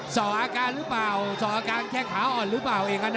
ส่ออาการแข็งอ่อนหรือเปล่าไอกะนั่น